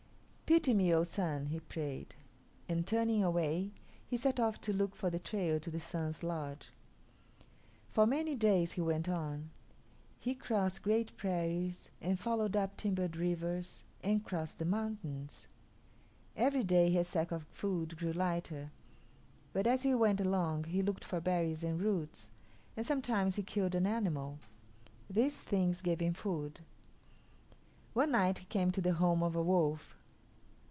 "Pity me, O Sun!" he prayed; and turning away, he set off to look for the trail to the Sun's lodge. For many days he went on. He crossed great prairies and followed up timbered rivers, and crossed the mountains. Every day his sack of food grew lighter, but as he went along he looked for berries and roots, and sometimes he killed an animal. These things gave him food. One night he came to the home of a wolf.